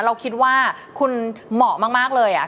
เราคิดว่าคุณเหมาะมากเลย